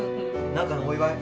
何かのお祝い？